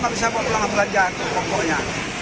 tapi siapa pulang belanja itu pokoknya